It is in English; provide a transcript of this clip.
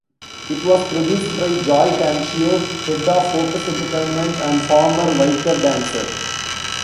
It was produced by Joy Cancio, head of Focus Entertainment and former Vicor dancer.